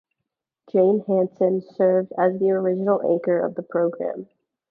Jane Hanson served as the original anchor of the program.